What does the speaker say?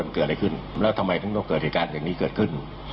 มันเกิดอะไรขึ้นแล้วทำไมถึงต้องเกิดเหตุการณ์อย่างนี้เกิดขึ้น